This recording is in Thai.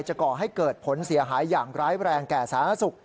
ก่อให้เกิดผลเสียหายอย่างร้ายแรงแก่สาธารณสุข